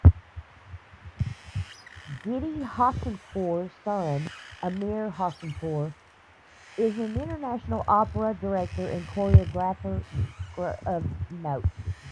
Guitty Hosseinpour's son, Amir Hosseinpour is an international opera director and choreographer of note.